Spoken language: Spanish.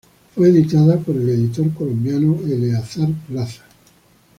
Fue editada por el editor colombiano Eleazar Plaza.